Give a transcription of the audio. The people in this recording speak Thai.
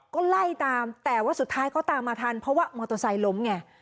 ก็ไล่ตามแต่ว่าสุดท้ายเขาตามมาทันเพราะว่ามอเตอร์ไซค์ล้มไง